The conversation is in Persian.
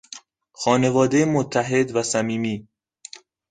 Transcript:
خانوادهی متحد و صمیمی